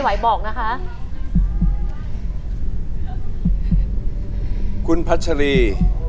มีผลคุณพัชรี